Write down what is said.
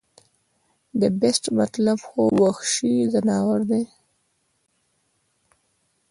د The Beast مطلب خو وحشي ځناور دے